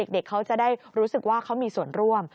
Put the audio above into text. เด็กเขาจะได้รู้สึกว่าเขามีส่วนร่วม